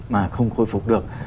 mà không khôi phục được